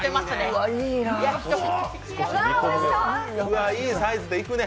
うわ、いいサイズでいくね